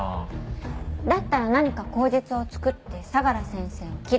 だったら何か口実を作って相良先生を切る。